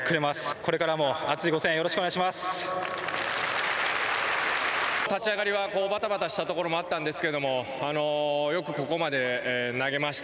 これからも熱いご声援立ち上がりはばたばたしたところもあったんですけどよくここまで投げました。